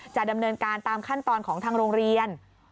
จะดำเนินการตามขั้นตอนของทางโรงเรียน